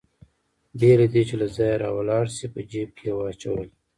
بې له دې چې له ځایه راولاړ شي په جېب کې يې واچولې.